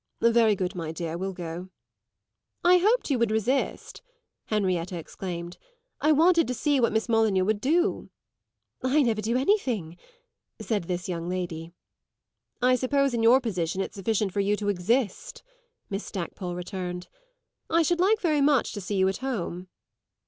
"Very good, my dear. We'll go." "I hoped you would resist!" Henrietta exclaimed. "I wanted to see what Miss Molyneux would do." "I never do anything," said this young lady. "I suppose in your position it's sufficient for you to exist!" Miss Stackpole returned. "I should like very much to see you at home."